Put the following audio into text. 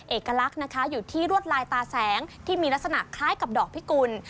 เอกลักษณ์นะคะอยู่ที่รวดลายตาแสงที่มีลักษณะคล้ายกับดอกพิกุล